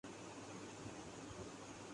اب یہ مانے گا۔